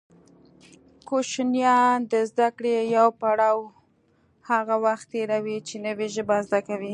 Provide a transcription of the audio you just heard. کوشنیان د زده کړې يو پړاو هغه وخت تېروي چې نوې ژبه زده کوي